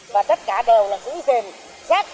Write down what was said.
và tất cả đều là sử dụng rác